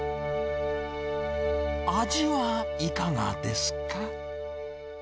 味はいかがですか？